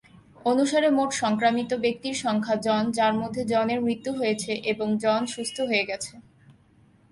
অনুসারে মোট সংক্রামিত ব্যক্তির সংখ্যা জন যার মধ্যে জনের মৃত্যু হয়েছে এবং জন সুস্থ হয়ে গেছে।